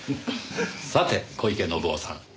さて小池信雄さん。